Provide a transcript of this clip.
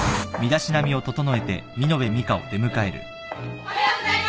おはようございます